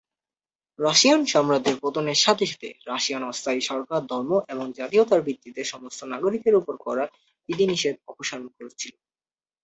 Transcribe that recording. Russian সাম্রাজ্যের পতনের সাথে সাথে, রাশিয়ান অস্থায়ী সরকার ধর্ম এবং জাতীয়তার ভিত্তিতে সমস্ত নাগরিকের ওপর করা বিধিনিষেধ অপসারণ করেছিল।